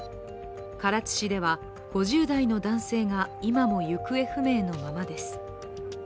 唐津市では５０代の男性が今も行方不明のままです。